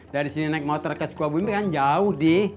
dari sini naik motor ke sukabumi kan jauh di